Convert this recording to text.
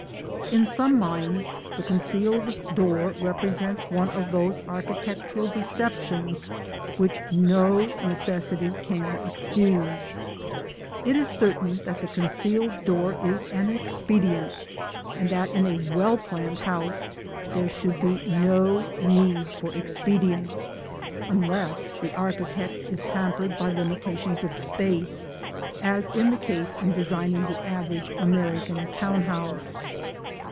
To some minds the concealed door represents one of those architectural deceptions which no necessity can excuse. It is certain that the concealed door is an expedient, and that in a well planned house there should be no need for expedients, unless the architect is hampered by limitations of space, as is the case in designing the average American town house.